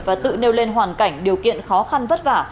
và tự nêu lên hoàn cảnh điều kiện khó khăn vất vả